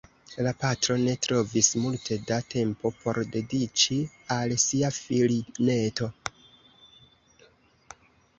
La patro ne trovis multe da tempo por dediĉi al sia filineto.